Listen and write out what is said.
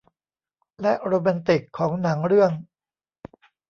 และโรแมนติกของหนังเรื่อง